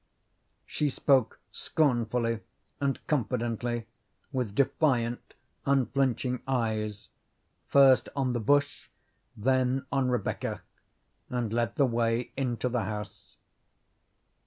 She spoke scornfully and confidently, with defiant, unflinching eyes, first on the bush, then on Rebecca, and led the way into the house.